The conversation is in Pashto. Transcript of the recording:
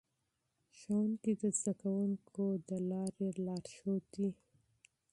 ښوونکي د زده کوونکو د لارې رهنما دي.